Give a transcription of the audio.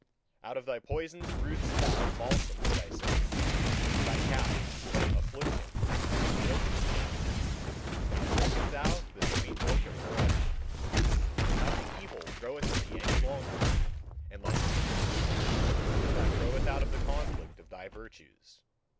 Out of thy poisons brewedst thou balsam for thyself; thy cow, affliction, milkedst thou now drinketh thou the sweet milk of her udder. And nothing evil groweth in thee any longer, unless it be the evil that groweth out of the conflict of thy virtues.